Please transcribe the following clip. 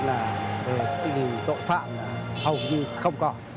là tình hình tội phạm hầu như không còn